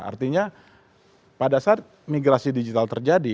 artinya pada saat migrasi digital terjadi